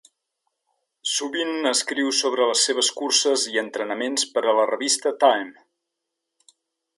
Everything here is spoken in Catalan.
Sovint escriu sobre les seves curses i entrenaments per a la revista "Time".